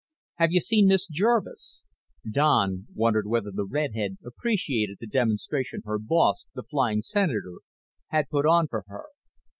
"Have you seen Miss Jervis?" Don wondered whether the redhead appreciated the demonstration her boss, the flying Senator, had put on for her.